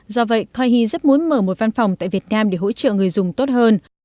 do vậy coihe rất muốn mở một văn phòng tại việt nam để hỗ trợ người dùng tốt hơn